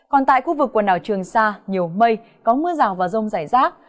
còn tại khu vực quần đảo trường sa nhiều mây có mưa rào và rông rải rác